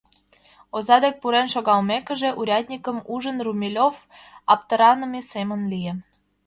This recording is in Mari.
Оза дек пурен шогалмекыже, урядникым ужын, Румелёв аптыраныме семын лие.